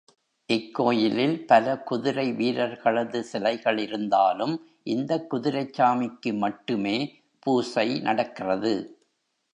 இக்கோயிலில் பல குதிரை வீரர்களது சிலைகள் இருந்தாலும் இந்தக் குதிரைச்சாமிக்கு மட்டுமே பூசை நடக்கிறது.